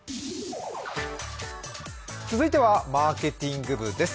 続いては、マーケティング部です。